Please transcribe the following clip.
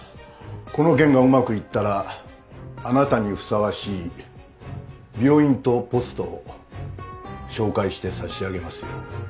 この件がうまくいったらあなたにふさわしい病院とポストを紹介してさしあげますよ